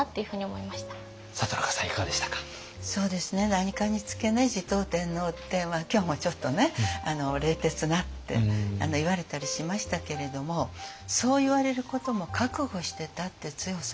何かにつけ持統天皇って今日もちょっとね「冷徹な」って言われたりしましたけれどもそう言われることも覚悟してたって強さはあると思います。